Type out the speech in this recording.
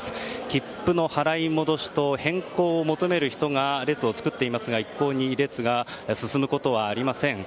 切符の払い戻しと変更を求める人が列を作っていますが一向に列が進むことはありません。